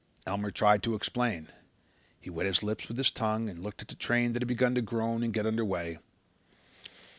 Elmer tried to explain. He wet his lips with his tongue and looked at the train that had begun to groan and get under way.